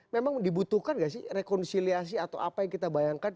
memang dibutuhkan gak sih rekonsiliasi atau apa yang kita bayangkan